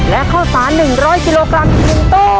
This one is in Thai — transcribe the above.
และข้อสาร๑๐๐ยิโลกรัม๑ตู้